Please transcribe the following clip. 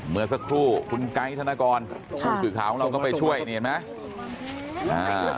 เมื่อสักครู่คุณไก๊ธนกรผู้สื่อข่าวของเราก็ไปช่วยนี่เห็นไหม